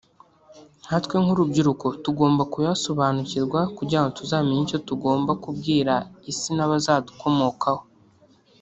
nkatwe nk’urubyiruko tugomba kuyasobanukirwa kugirango tuzamenye icyo tugomba kubwira isi n'abazadukomokaho